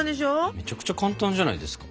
めちゃくちゃ簡単じゃないですか。